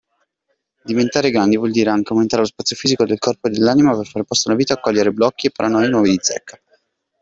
Diventare grandi vuol dire anche aumentare lo spazio fisico, del corpo e dell’anima per fare posto alla vita e accogliere blocchi e paranoie nuovi di zecca.